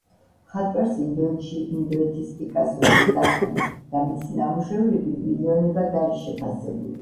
მხატვარს ინდოეთში „ინდოეთის პიკასოს“ ეძახდნენ და მისი ნამუშევრები მილიონებად არის შეფასებული.